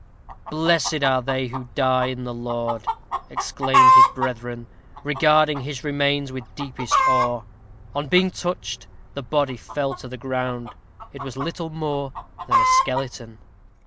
"Blessed are they who die in the Lord," exclaimed his brethren, regarding his remains with deepest awe. On being touched, the body fell to the ground. It was little more than a skeleton.